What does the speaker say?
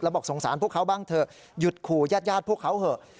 บอกสงสารพวกเขาบ้างเถอะหยุดขู่ญาติญาติพวกเขาเถอะ